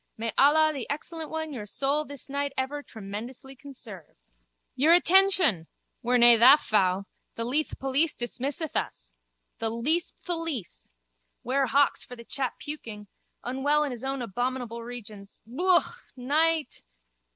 May Allah the Excellent One your soul this night ever tremendously conserve. Your attention! We're nae tha fou. The Leith police dismisseth us. The least tholice. Ware hawks for the chap puking. Unwell in his abominable regions. Yooka. Night.